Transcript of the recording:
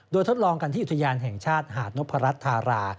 โดยทดลองกันที่อุทยานแห่งชาติหาดนพรัชธารา